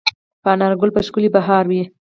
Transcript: په انارګل به ښکلی بهار وي